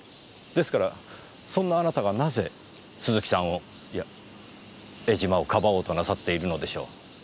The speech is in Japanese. ですからそんなあなたがなぜ鈴木さんをいや江島を庇おうとなさっているのでしょう？